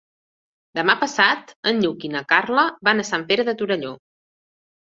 Demà passat en Lluc i na Carla van a Sant Pere de Torelló.